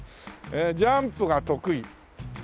「ジャンプが得意！！」